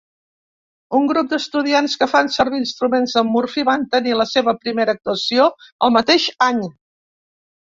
Un grup d'estudiants que fan servir instruments de Murphy van tenir la seva primera actuació el mateix any.